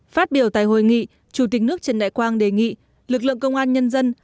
phát biểu tại hội nghị chủ tịch nước trần đại quang đề nghị lực lượng công an nhân dân